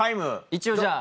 一応じゃあ。